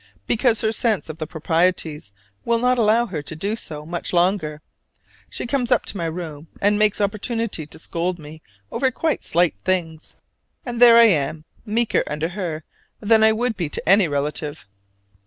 Because her sense of the proprieties will not allow her to do so much longer, she comes up to my room and makes opportunity to scold me over quite slight things: and there I am, meeker under her than I would be to any relative.